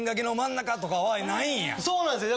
そうなんですよ。